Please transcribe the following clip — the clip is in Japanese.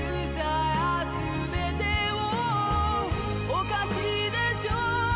「おかしいでしょう？